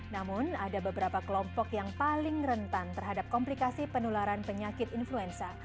namun ada beberapa kelompok yang paling rentan terhadap komplikasi penularan penyakit influenza